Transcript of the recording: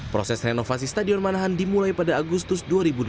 proses renovasi stadion manahan dimulai pada agustus dua ribu dua puluh